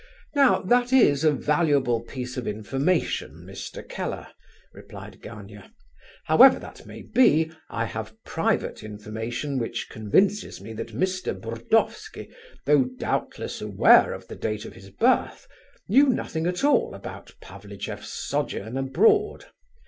"Now, that is a valuable piece of information, Mr. Keller," replied Gania. "However that may be, I have private information which convinces me that Mr. Burdovsky, though doubtless aware of the date of his birth, knew nothing at all about Pavlicheff's sojourn abroad.